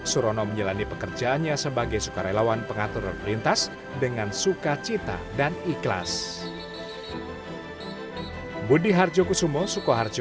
surono menyelani pekerjaannya sebagai sukarelawan pengaturan perintas dengan suka cita dan ikhlas